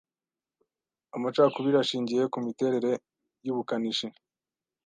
amacakubiri ashingiye kumiterere yubukanishi